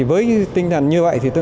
với tinh thần như vậy